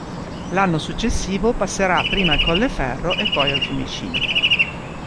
L'anno successivo passerà prima al Colleferro e poi al Fiumicino.